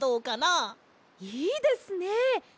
いいですね！